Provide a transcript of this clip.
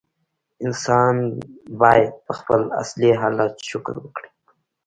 انسان باید په خپل اصلي حالت شکر وکړي.